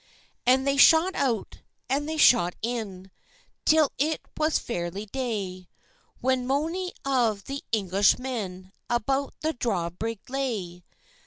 And they shot out, and they shot in, Till it was fairly day; When mony of the Englishmen About the draw brig lay.